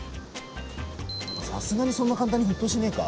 さすがにそんな簡単に沸騰しねえか？